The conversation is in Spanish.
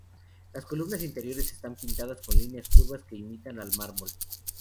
Las columnas interiores están pintadas con líneas curvas que imitan al mármol.